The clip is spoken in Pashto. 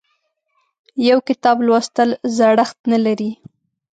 یو کتاب لوستل زړښت نه لري.